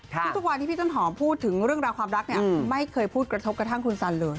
ทุกวันที่พี่ต้นหอมพูดถึงเรื่องราวความรักเนี่ยไม่เคยพูดกระทบกระทั่งคุณสันเลย